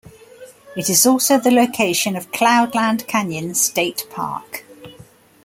It is also the location of Cloudland Canyon State Park.